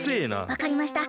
わかりました。